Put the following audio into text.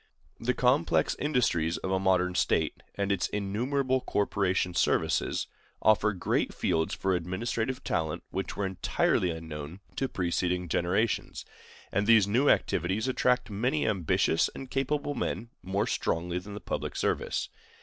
The complex industries of a modern state, and its innumerable corporation services, offer great fields for administrative talent which were entirely unknown to preceding generations; and these new activities attract many ambitious and capable men more strongly than the public service.